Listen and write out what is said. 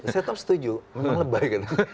setnop setuju memang lebay